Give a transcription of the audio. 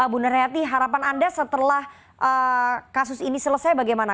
bu nuryati harapan anda setelah kasus ini selesai bagaimana